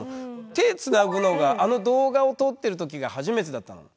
手つなぐのがあの動画を撮ってる時が初めてだったの？